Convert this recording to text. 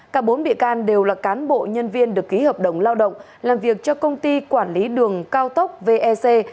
cả bốn bị can đều là cán bộ nhân viên được ký hợp đồng lao động làm việc cho công ty quản lý đường cao tốc vec